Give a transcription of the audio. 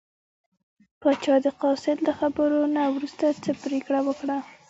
پاچا د قاصد له خبرو نه وروسته څه پرېکړه وکړه.